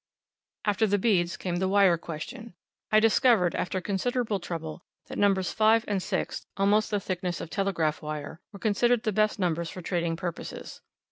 After the beads came the wire question. I discovered, after considerable trouble, that Nos. 5 and 6 almost of the thickness of telegraph wire were considered the best numbers for trading purposes.